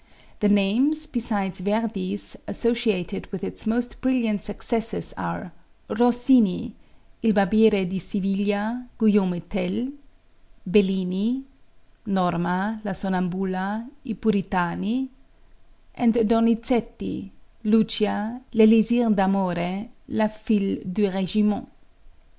The names, besides Verdi's, associated with its most brilliant successes, are: Rossini ("Il Barbiere di Siviglia," "Guillaume Tell"), Bellini ("Norma," "La Sonnambula," "I Puritani"), and Donizetti ("Lucia," "L'Elisir d'Amore," "La Fille du Regiment").